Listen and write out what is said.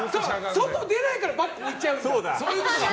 外、出ないからバッグ置いちゃうんだ。